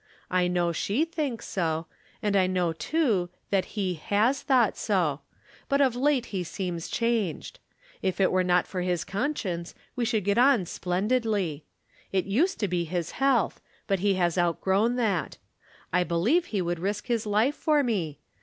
I know she thinks so, and I know, too, that he has thought so ; but of late he seems changed. If it were not for liis conscience we should get on splendidly. It used to be his health ; but he has outgrown that. I believe he would risk his life for me.